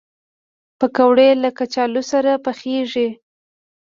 پکورې له کلچو سره پخېږي